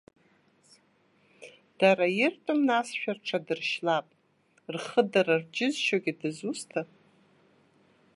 Дара иртәым насшәа рҽадыршьлап, рхыдара рџьызшогьы дызусҭа?!